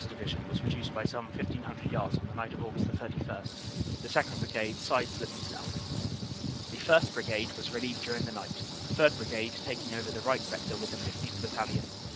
Division was reduced by some 1,500 yards on the night of Aug. 31, the 2nd. Brigade side slipping south. The 1st. Brigade was relieved during the night, the 3rd. Brigade taking over the right sector with the 15th. Battalion.